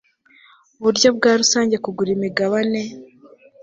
buryo bwa rusange kugura imigabane